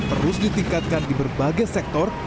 terus ditingkatkan di berbagai sektor